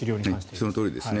そのとおりですね。